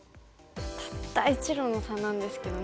たった１路の差なんですけどね。